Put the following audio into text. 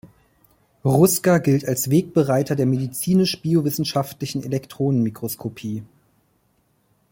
Ruska gilt als Wegbereiter der medizinisch-biowissenschaftlichen Elektronenmikroskopie.